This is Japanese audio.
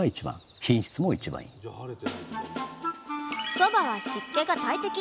そばは湿気が大敵。